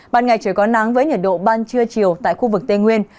ban ngày trời có nắng với nhiệt độ ban trưa chiều tại khu vực tây nguyên